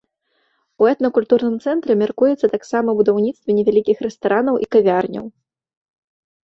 У этнакультурным цэнтры мяркуецца таксама будаўніцтва невялікіх рэстаранаў і кавярняў.